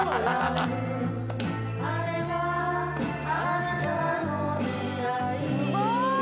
あれはあなたの未来うまい。